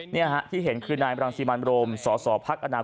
นี่ที่เห็นคือนายบรังสีบัณฑ์โรมสสพักษ์อนาคตใหม่